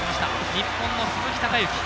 日本の鈴木孝幸。